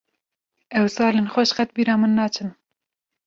Ew salên xweş qet ji bîra min naçin.